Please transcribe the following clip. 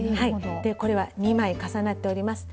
これは２枚重なっております。